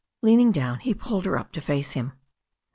Leaning down, he pulled her up to face him.